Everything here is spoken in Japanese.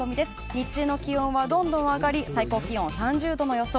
日中の気温はどんどん上がり最高気温３０度の予想。